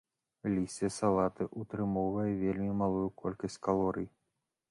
Лісце салаты ўтрымоўвае вельмі малую колькасць калорый.